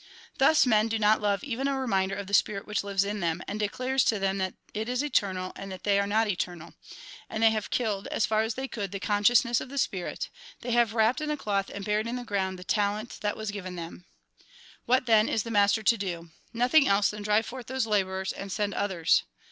" Thus men do not love even a reminder of the spirit which lives in them, and declares to them that it is eternal and they are not eternal; and they have killed, as far as they could, the consciousness of the spirit ; they have wrapped in a cloth and buried in the ground the talent that was given them. io8 THE GOSPEL IN BRIEF " What, then, is the master to do ? ISTothing else than drive forth those labourers, and send others.